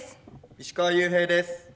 石川裕平です。